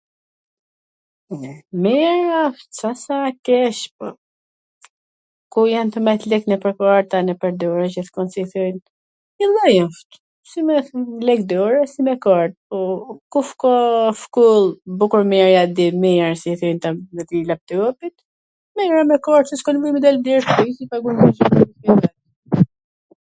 Mir asht se s a kesh. po ku jan tu met lek nwpwr kurorat tona, nwpwr dorw qw s kan si thyen. Njwlloj asht, si me lek dore si me kart, po kush ka shkoll bukur mir ja din t mirwn si i thojn kta laptopit, mir a me kart se s asht nevoj me dal n der, pagujn...